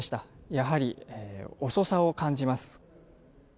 やはり、遅さを感じます。